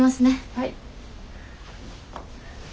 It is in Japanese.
はい。